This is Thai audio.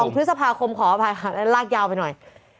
พฤษภาคมขออภัยค่ะแล้วลากยาวไปหน่อย